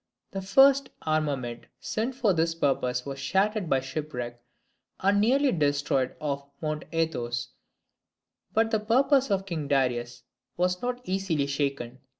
The first armament sent for this purpose was shattered by shipwreck, and nearly destroyed off Mount Athos, But the purpose of King Darius was not easily shaken.